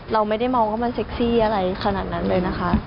เราไม่ได้มองว่ามันเซ็กซี่อะไรขนาดนั้นเลยนะคะ